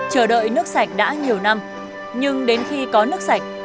chờ đợi nước sạch đã nhiều năm nhưng đến khi có nước sạch